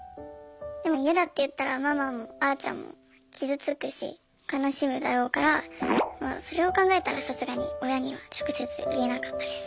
でも嫌だって言ったらママもあーちゃんも傷つくし悲しむだろうからそれを考えたらさすがに親には直接言えなかったです。